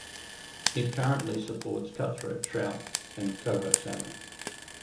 It currently supports cutthroat trout and coho salmon.